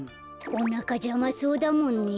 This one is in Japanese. おなかじゃまそうだもんね。